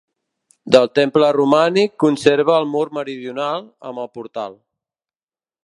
Del temple romànic conserva el mur meridional, amb el portal.